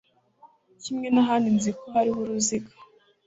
kimwe n'ahandi, ' 'nzi ko hariho uruziga